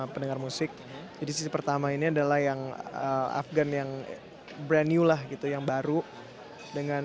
pendengar musik jadi sisi pertama ini adalah yang afgan yang brand new lah gitu yang baru dengan